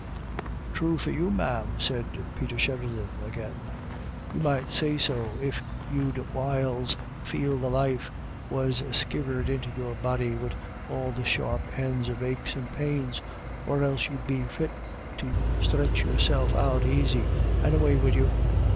"True for you, ma'am," said Peter Sheridan again, "you might say so, if you'd whiles feel the life was skivered into your body wid all the sharp ends of aches and pains, or else you'd be fit to sthretch yourself out aisy, and away wid you."